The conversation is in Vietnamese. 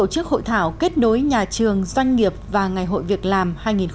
hội thảo kết nối nhà trường doanh nghiệp và ngày hội việc làm hai nghìn một mươi tám